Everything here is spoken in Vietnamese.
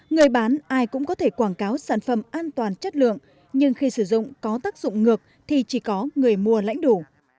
người bán ai cũng có thể quảng cáo sản phẩm an toàn chất lượng nhưng khi sử dụng có tác dụng ngược thì chỉ có người mua lãnh đủ